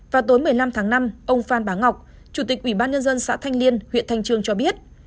vào tối một mươi năm tháng năm ông phan bá ngọc chủ tịch ủy ban nhân dân xã thanh liên huyện thanh trương cho biết